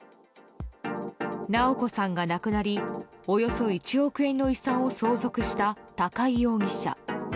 直子さんが亡くなりおよそ１億円の遺産を相続した高井容疑者。